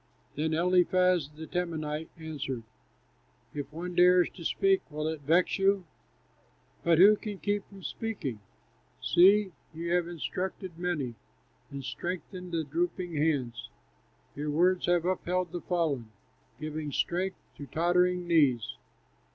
Then Eliphaz, the Temanite, answered: "If one dares to speak, will it vex you? But who can keep from speaking? See! you have instructed many, And strengthened the drooping hands. Your words have upheld the fallen, Giving strength to tottering knees.